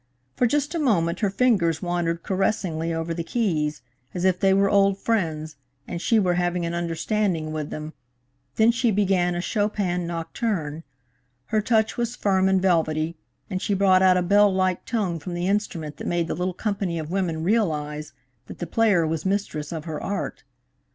For just a moment her fingers wandered caressingly over the keys, as if they were old friends and she were having an understanding with them, then she began a Chopin Nocturne. Her touch was firm and velvety, and she brought out a bell like tone from the instrument that made the little company of women realize that the player was mistress of her art.